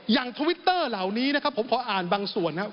ทวิตเตอร์เหล่านี้นะครับผมขออ่านบางส่วนนะครับ